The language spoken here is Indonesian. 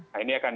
nah ini akan